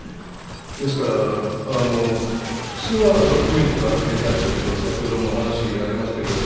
ですから普通はロックミュージックを始めたりすると先ほどもお話ありましたけど。